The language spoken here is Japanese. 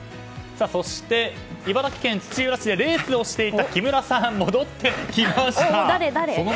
そして、茨城県土浦市でレースをしていた木村さんが戻ってきました！